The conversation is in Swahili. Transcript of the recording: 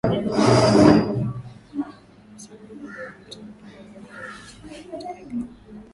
Kundi hilo la wanamgambo lilisema kwenye mtandao wake wa mawasiliano ya telegram.